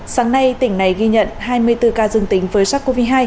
sáng nay tỉnh này ghi nhận hai mươi bốn ca dương tính với sắc covid hai